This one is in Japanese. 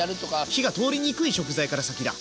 火が通りにくい食材から先だ！